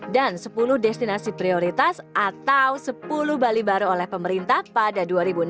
dan sepuluh destinasi prioritas atau sepuluh bali baru oleh pemerintah pada dua ribu enam belas